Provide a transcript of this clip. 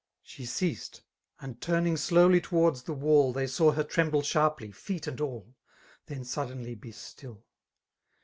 She ceased, and turning slowly towards the woDr, Thef saw her tremUe sharply^ feet and all,*— Then suddenly be still.